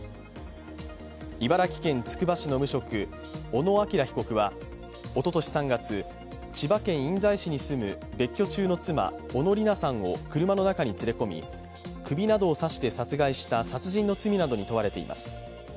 茨城県つくば市の無職小野陽被告はおととし３月千葉県印西市に住む別居中の妻小野理奈さんを車の中に連れ込み、首などを刺して殺害した殺害の罪などに問われています。